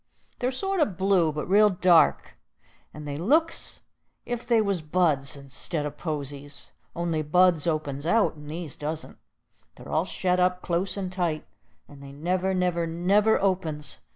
They're sort o' blue, but real dark, and they look's if they was buds 'stead o' posies only buds opens out, and these doesn't. They're all shet up close and tight, and they never, never, never opens.